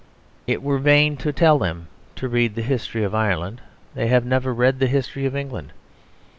It were vain to tell them to read the history of Ireland; they have never read the history of England.